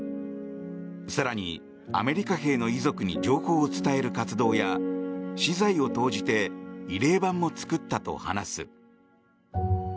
更に、アメリカ兵の遺族に情報を伝える活動や私財を投じて慰霊板も作ったと話す。